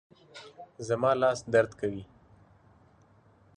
زما لاس درد کوي